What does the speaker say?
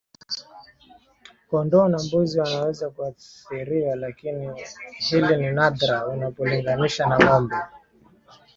Kondoo na mbuzi wanaweza kuathiriwa lakini hili ni nadra unapolinganisha na ngombe